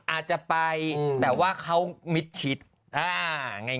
อาจะไปแต่ว่าเขามิชิตง่าย